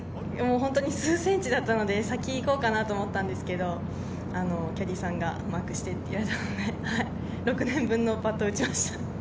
本当に数ｃｍだったので、先行こうかなと思ったんですけれども、キャディーさんがマークしてって言われたので、６年分のパットを打ちました。